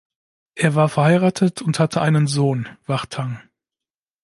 Er war verheiratet und hatte einen Sohn, Wachtang.